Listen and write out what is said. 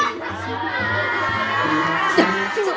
terus semangin jatuh